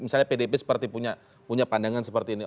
misalnya pdip punya pandangan seperti ini